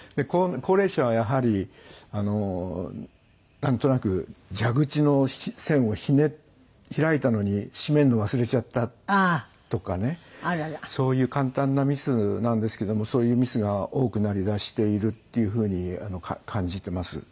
高齢者はやはりなんとなく蛇口の栓を開いたのに閉めるの忘れちゃったとかねそういう簡単なミスなんですけどもそういうミスが多くなりだしているっていうふうに感じてます。